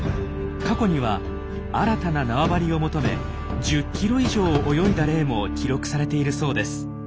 過去には新たな縄張りを求め１０キロ以上泳いだ例も記録されているそうです。